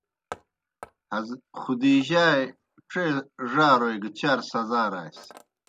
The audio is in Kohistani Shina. خدیجہؓ اےْ ڇے ڙاروئے گہ چار سزاراسیْ۔